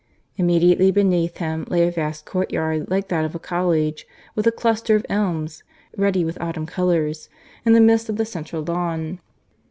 Immediately beneath him lay a vast courtyard like that of a college, with a cluster of elms, ruddy with autumn colours, in the midst of the central lawn.